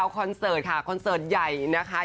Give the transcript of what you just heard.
คอนเสิร์ตค่ะคอนเสิร์ตใหญ่นะคะ